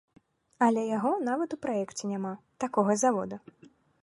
Але яго нават у праекце няма, такога завода!